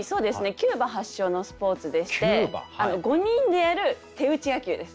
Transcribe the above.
キューバ発祥のスポーツでして５人でやる手打ち野球です。